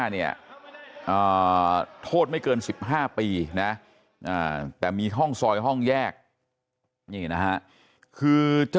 เนี่ยโทษไม่เกิน๑๕ปีนะแต่มีห้องซอยห้องแยกนี่นะฮะคือจะ